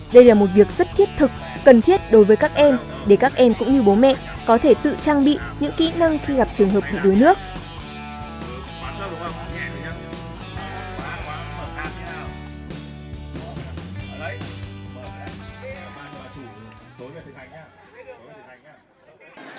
đây là một việc rất thiết thực cần thiết đối với các em để các em cũng như bố mẹ có thể tự trang bị những kỹ năng khi gặp trường hợp bị đuối nước